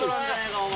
お前。